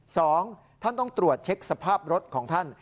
สองท่านต้องตรวจเช็คสภาพรถของท่าน